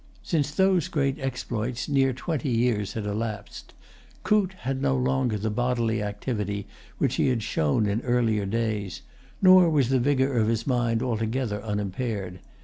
Since those great exploits near twenty years had elapsed. Coote had no longer the bodily activity which he had shown in earlier days; nor was the vigor of his mind altogether unimpaired.